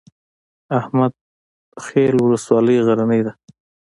احمد خیل ولسوالۍ غرنۍ ده؟